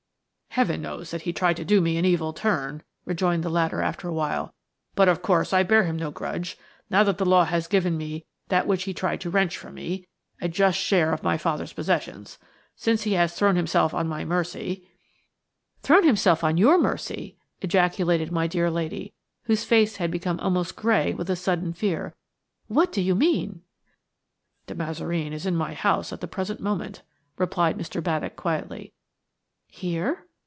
"Heaven knows that he tried to do me an evil turn," rejoined the latter after a while; "but of course I bear him no grudge, now that the law has given me that which he tried to wrench from me–a just share of my father's possessions. Since he has thrown himself on my mercy–" "Thrown himself on your mercy!" ejaculated my dear lady, whose face had become almost grey with a sudden fear. "What do you mean?" "De Mazareen is in my house at the present moment," replied Mr. Baddock, quietly. "Here?"